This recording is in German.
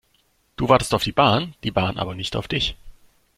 Du wartest auf die Bahn, die Bahn aber nicht auf dich.